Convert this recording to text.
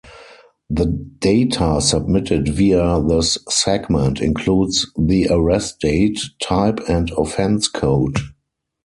The data submitted via this segment includes the arrest date, type and offense code.